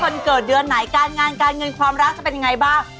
คนเกิดเดือนไหนการงานการเงินความรักจะเป็นยังไงบ้าง